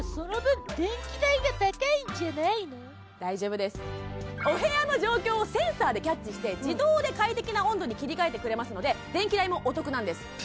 大丈夫ですお部屋の状況をセンサーでキャッチして自動で快適な温度に切り替えてくれますので電気代もお得なんです